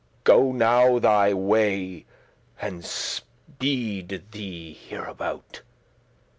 Go now thy way, and speed thee hereabout.